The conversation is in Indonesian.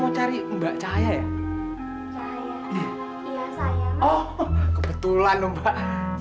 kadangnya sebelahan loh mbak